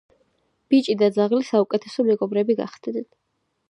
ბიჭი და ძაღლი საუკეთესო მეგობრები გახდნენ